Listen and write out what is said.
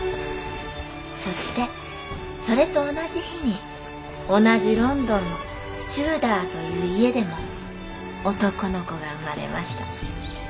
そしてそれと同じ日に同じロンドンのチューダーという家でも男の子が生まれました。